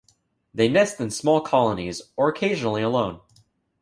They nest in small colonies, or occasionally alone.